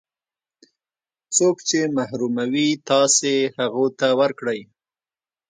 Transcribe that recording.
څوک چې محروموي تاسې هغو ته ورکړئ.